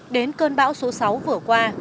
đến cơn bão số sáu vừa qua